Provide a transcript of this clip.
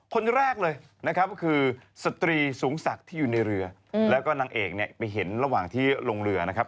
คนแรกเลยนะครับก็คือสตรีสูงศักดิ์ที่อยู่ในเรือแล้วก็นางเอกเนี่ยไปเห็นระหว่างที่ลงเรือนะครับ